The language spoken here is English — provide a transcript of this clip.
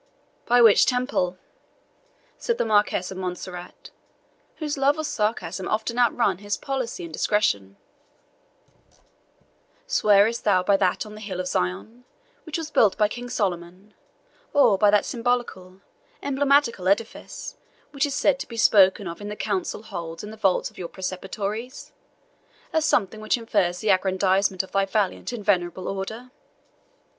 "By which Temple?" said the Marquis of Montserrat, whose love of sarcasm often outran his policy and discretion; "swearest thou by that on the hill of Zion, which was built by King Solomon, or by that symbolical, emblematical edifice, which is said to be spoken of in the councils held in the vaults of your Preceptories, as something which infers the aggrandizement of thy valiant and venerable Order?"